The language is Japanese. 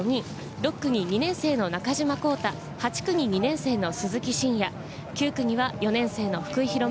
６区に２年生の中島弘太、８区に２年生の鈴木伸弥、９区には４年生の福井大夢。